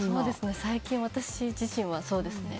最近私自身はそうですね。